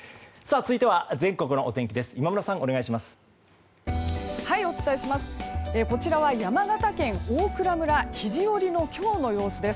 続いては全国のお天気です。